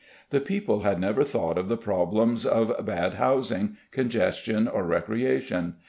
The people had never thought of the problems of bad housing, congestion, or recreation.